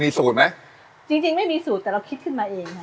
มีสูตรไหมจริงจริงไม่มีสูตรแต่เราคิดขึ้นมาเองค่ะ